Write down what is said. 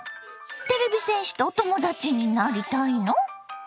てれび戦士とお友達になりたいの？